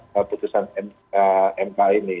keputusan mk ini